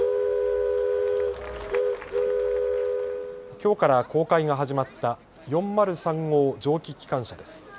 きょうから公開が始まった４０３号蒸気機関車です。